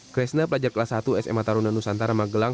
kresna pelajar kelas satu sma taruna nusantara magelang